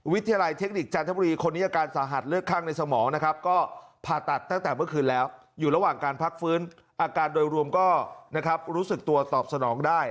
วิทยาลัยเทคนิคจานทบุรี